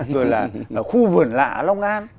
rồi là khu vườn lạ long an